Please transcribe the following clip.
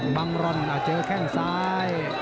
บังร่อนเจอแข้งซ้าย